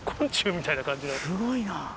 すごいな。